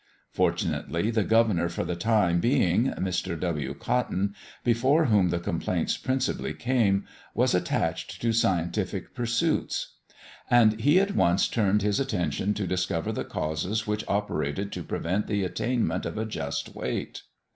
Fortunately, the Governor for the time being, (Mr. W. Cotton), before whom the complaints principally came, was attached to scientific pursuits; and he at once turned his attention to discover the causes which operated to prevent the attainment of a just weight.